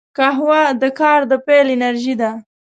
قهوه د کار د پیل انرژي ده